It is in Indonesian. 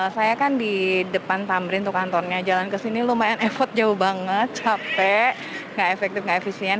saya kan di depan tamrin untuk kantornya jalan ke sini lumayan efot jauh banget capek gak efektif gak efisien